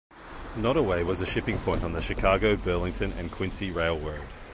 Nodaway was a shipping point on the Chicago, Burlington and Quincy Railroad.